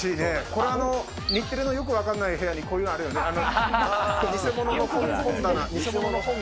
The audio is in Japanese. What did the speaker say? これ、日テレのよく分かんない部屋にこういうのあるよな。